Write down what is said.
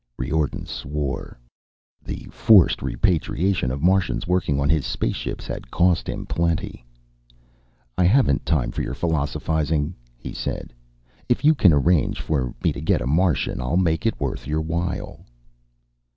Riordan swore. The forced repatriation of Martians working on his spaceships had cost him plenty. "I haven't time for your philosophizing," he said. "If you can arrange for me to get a Martian, I'll make it worth your while."